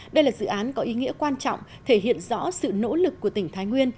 đây là dự án có ý nghĩa quan trọng thể hiện rõ sự nỗ lực của tỉnh thái nguyên